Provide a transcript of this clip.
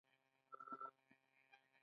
د ژبې بدلون باید د وخت له غوښتنو سره وي.